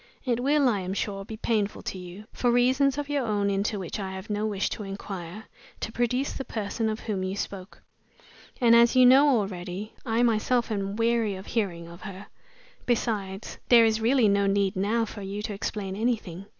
It will, I am sure, be painful to you (for reasons of your own into which I have no wish to inquire) to produce the person of whom you spoke, and as you know already, I myself am weary of hearing of her. Besides, there is really no need now for you to explain anything.